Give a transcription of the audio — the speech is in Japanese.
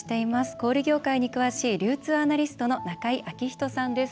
小売業界に詳しい流通アナリストの中井彰人さんです。